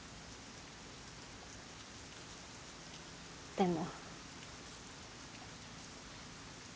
でも。